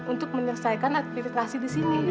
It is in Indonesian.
untuk menyelesaikan administrasi disini